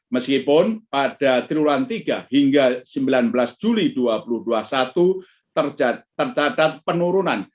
meskipun pada triwulan tiga hingga sembilan belas juli dua ribu dua puluh satu tercatat penurunan